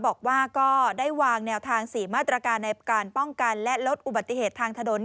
บอกว่าก็ได้วางแนวทาง๔มาตรการในการป้องกันและลดอุบัติเหตุทางถนน